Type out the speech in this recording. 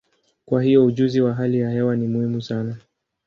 Kwa hiyo, ujuzi wa hali ya hewa ni muhimu sana.